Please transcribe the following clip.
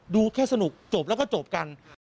ดูแค่สนุกจบแล้วก็จบกัน